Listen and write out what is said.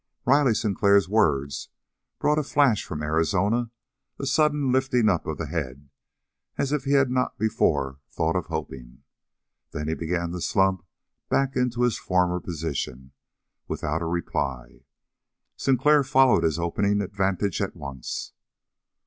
Riley Sinclair's words brought a flash from Arizona, a sudden lifting of the head, as if he had not before thought of hoping. Then he began to slump back into his former position, without a reply. Sinclair followed his opening advantage at once.